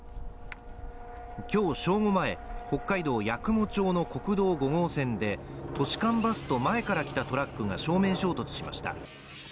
今日正午前、北海道八雲町の国道５号線で都市間バスと前から来たトラックが正面衝突しました。